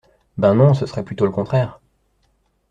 Ben non, ce serait plutôt le contraire.